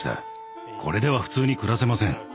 これでは普通に暮らせません。